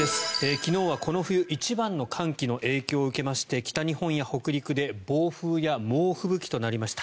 昨日はこの冬、一番の寒気の影響を受けまして北日本や北陸で暴風や猛吹雪となりました。